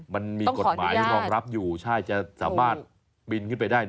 มันมีกฎหมายรองรับอยู่ใช่จะสามารถบินขึ้นไปได้